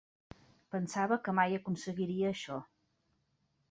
Pensava que mai aconseguiria això.